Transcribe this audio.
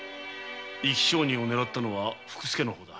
生き証人を狙ったのは福助の方だ。